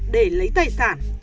để lấy tài sản